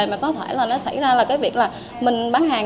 mà có thể nó xảy ra là việc mình bán hàng